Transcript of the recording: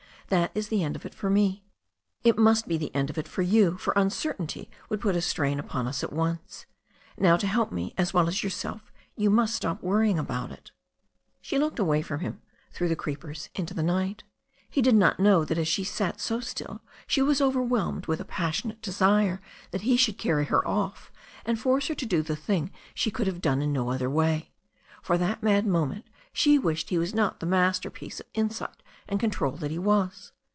That is the end of it for me. It must be the end of it for you, for uncertainty would put a strain upon us at once. Now to help me, as well as yourself, you must stop worrying about it." She looked away from him through the creepers into the night. He did not know that as she sat so still she was overwhelmed with a passionate desire that he would carry her off and force her to do the thing she could have done in no other way. For that mad moment she wished he was not the masterpiece of insight and control that he was.